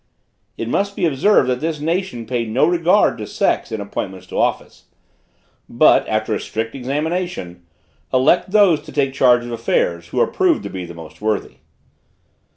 It must be observed that this nation pay no regard to sex in appointments to office, but, after a strict examination, elect those to take charge of affairs who are proved to be the most worthy.